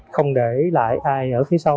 không để lại ai ở phía sau